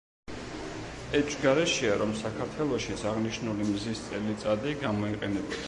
ეჭვგარეშეა რომ საქართველოშიც აღნიშნული მზის წელიწადი გამოიყენებოდა.